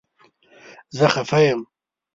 زه خفه یم